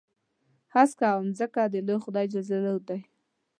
هسک او ځمکه د لوی خدای جل جلاله دي.